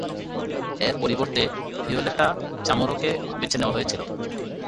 এর পরিবর্তে ভিওলেটা চামোরোকে বেছে নেওয়া হয়েছিল।